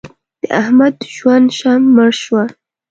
د احمد د ژوند شمع مړه شوه.